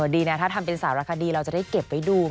ดีนะถ้าทำเป็นสารคดีเราจะได้เก็บไว้ดู